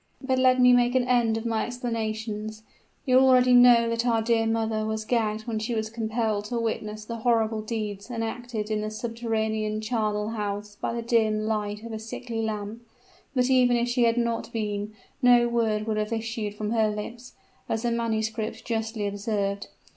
"But let me make an end of my explanations. You already know that our dear mother was gagged when she was compelled to witness the horrible deeds enacted in the subterranean charnel house by the dim light of a sickly lamp; but even if she had not been, no word would have issued from her lips, as the manuscript justly observes.